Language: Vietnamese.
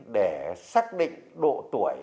để xác định độ tuổi